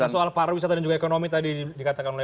soal pariwisata dan juga ekonomi tadi dikatakan oleh